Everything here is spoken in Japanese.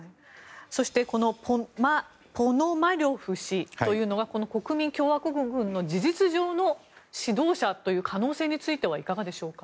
そしてポノマリョフ氏というのは国民共和国軍の事実上の指導者という可能性についてはいかがでしょうか。